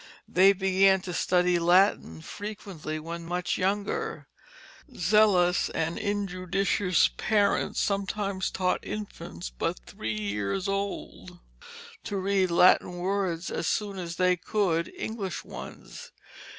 They began to study Latin frequently when much younger. Zealous and injudicious parents sometimes taught infants but three years old to read Latin words as soon as they could English ones.